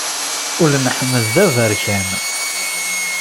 Ul n Ḥmed d aberkan.